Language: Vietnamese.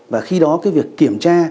và khi đó việc kiểm tra